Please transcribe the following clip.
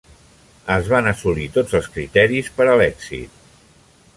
Es van assolir tots els criteris per a l'èxit.